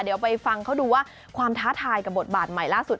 เดี๋ยวไปฟังเขาดูว่าความท้าทายกับบทบาทใหม่ล่าสุด